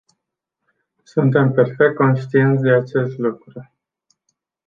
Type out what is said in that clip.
Suntem perfect conștienți de acest lucru.